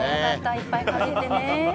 いっぱいかじってね。